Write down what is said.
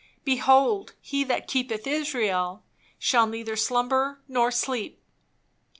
Behold, he that keepeth Israel shall neither slumber nor sleep."